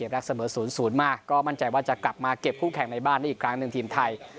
และเสมอ๐๐มาก็มั่นใจว่าจะกลับมาเก็บคู่แข่งในบ้านได้อีกครั้งหนึ่งทีมไทย